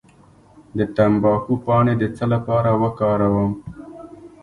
د تمباکو پاڼې د څه لپاره وکاروم؟